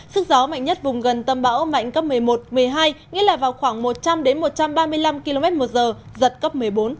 sức gió mạnh nhất vùng gần tâm bão mạnh cấp một mươi một một mươi hai nghĩa là vào khoảng một trăm linh một trăm ba mươi năm km một giờ giật cấp một mươi bốn